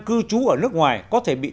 cư trú ở nước ngoài có thể bị